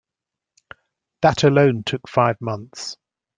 That alone took five months.